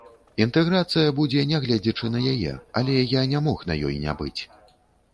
Інтэграцыя будзе нягледзячы на яе, але я не мог на ёй не быць!